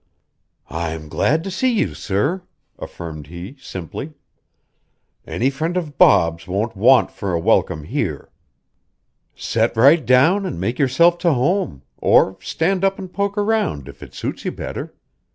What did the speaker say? "I'm glad to see you, sir," affirmed he simply. "Any friend of Bob's won't want for a welcome here. Set right down an' make yourself to home, or stand up an' poke found, if it suits you better.